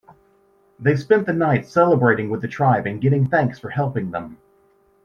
They spend the night celebrating with the tribe and getting thanks for helping them.